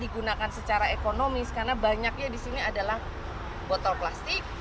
digunakan secara ekonomis karena banyaknya di sini adalah botol plastik